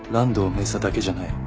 明紗だけじゃない。